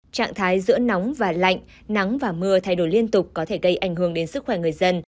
trạng thái giữa nóng và lạnh nắng và mưa thay đổi liên tục có thể gây ảnh hưởng đến sức khỏe người dân